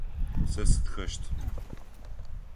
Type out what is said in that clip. Сэ сытхэщт.